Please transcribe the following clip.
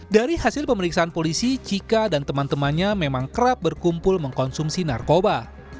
dari hasil pemeriksaan polisi cika dan teman temannya memang kerap berkumpul mengkonsumsi narkoba